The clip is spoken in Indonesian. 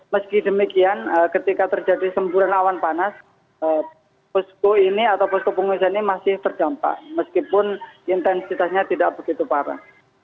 meski demikian ketika terjadi semburan awan panas posko ini atau posko pengungsian ini masih terdampak meskipun intensitasnya tidak begitu parah